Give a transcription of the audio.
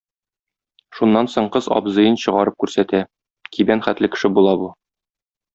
Шуннан соң кыз абзыен чыгарып күрсәтә, кибән хәтле кеше була бу.